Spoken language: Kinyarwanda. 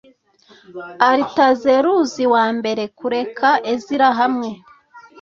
aritazeruzi wa mbere kureka ezira hamwe